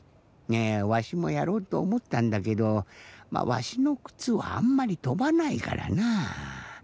わしもやろうとおもったんだけどわしのくつはあんまりとばないからなぁ。